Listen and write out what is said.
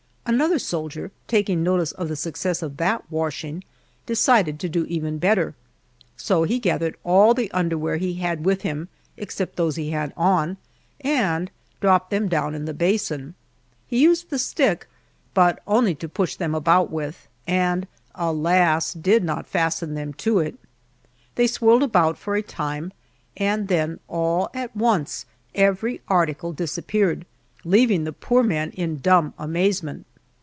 Another soldier, taking notice of the success of that washing, decided to do even better, so he gathered all the underwear, he had with him, except those he had on, and dropped them down in the basin. He used the stick, but only to push them about with, and alas! did not fasten them to it. They swirled about for a time, and then all at once every article disappeared, leaving the poor man in dumb amazement.